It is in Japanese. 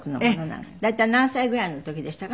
大体何歳ぐらいの時でしたか？